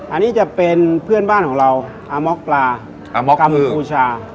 อันนี้จะเป็นเพื่อนบ้านของเราอาม็อกปลาอาม็กมือบูชา